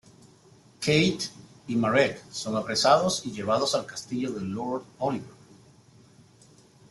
Kate y Marek son apresados y llevados al castillo de Lord Oliver.